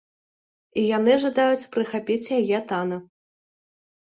І яны жадаюць прыхапіць яе танна.